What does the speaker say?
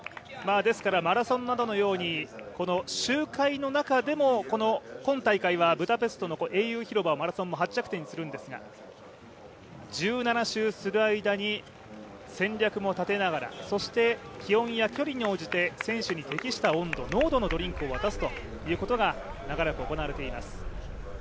マラソンなどのように周回の中でもこの今大会はブダペストの英雄広場をマラソンの発着点にするんですが、１７周する間に戦略も立てながらそして気温や距離に応じて選手に適した温度濃度のドリンクを渡すということが長らく行われています。